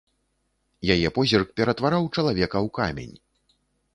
Яе позірк ператвараў чалавека ў камень.